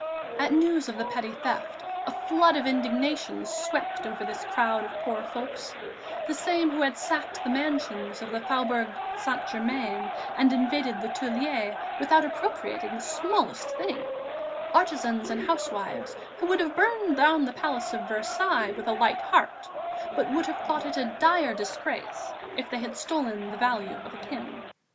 At news of the petty theft, a flood of indignation swept over this crowd of poor folks, the same who had sacked the mansions of the Faubourg Saint Germain and invaded the Tuileries without appropriating the smallest thing, artisans and housewives, who would have burned down the Palace of Versailles with a light heart, but would have thought it a dire disgrace if they had stolen the value of a pin.